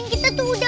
kita tuh udah